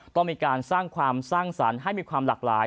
ต้องมีการสร้างความสร้างสรรค์ให้มีความหลากหลาย